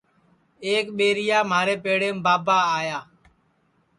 ایک ٻیریا مھارے پیڑیم بابا آیا